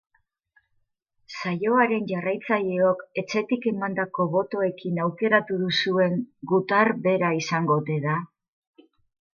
Saioaren jarraitzaileok etxetik emandako botoekin aukeratu duzuen gutar bera izango ote da?